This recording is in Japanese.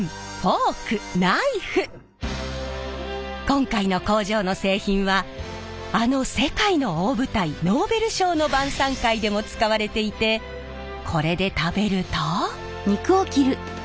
今回の工場の製品はあの世界の大舞台ノーベル賞の晩さん会でも使われていてこれで食べると。